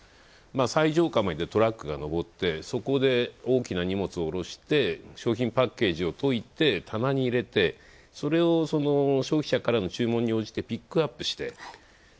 最上階までトラックが上ってそこで大きな荷物を降ろして、商品パッケージを解いて棚に入れて、それを消費者からの注文に応じてピックアップして。